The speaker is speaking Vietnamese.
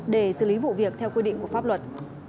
để xử lý vụ việc theo quy định của pháp luật